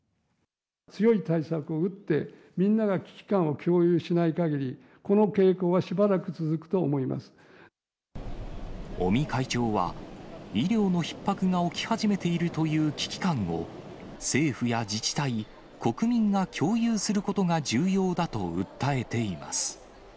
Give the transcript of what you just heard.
強い対策を打って、みんなが危機感を共有しないかぎり、この傾向はしばらく続くと思医療のひっ迫が起き始めているという危機感を、政府や自治体、国民が共有することが重要だと訴えています。